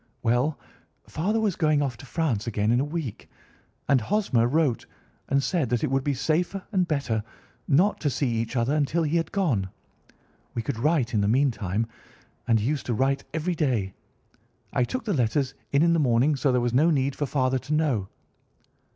"Well, father was going off to France again in a week, and Hosmer wrote and said that it would be safer and better not to see each other until he had gone. We could write in the meantime, and he used to write every day. I took the letters in in the morning, so there was no need for father to know."